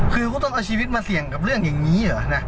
คือก็ต้องเอาชีวิตมาเสี่ยงกับเรื่องอย่างนี้เหรอนะ